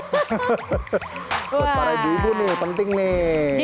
buat para ibu ibu nih penting nih